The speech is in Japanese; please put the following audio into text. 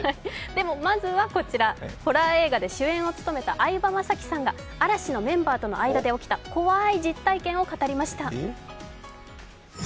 でもまずはこちら、ホラー映画で主演を務めた相葉雅紀さんが嵐のメンバーとの間で起きた怖い実体験を語りました。